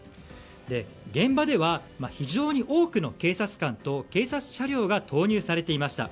現場では、非常に多くの警察官と警察車両が投入されていました。